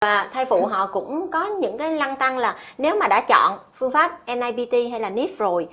và thai phụ họ cũng có những cái lăng tăng là nếu mà đã chọn phương pháp nipt hay là nip rồi